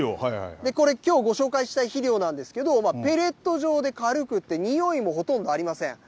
これ、きょうご紹介したい肥料なんですけれども、ペレット状で軽くてにおいもほとんどありません。